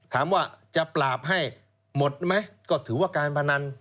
ถามว่าจะปราบให้หมดไหมก็ถือว่าการพนัน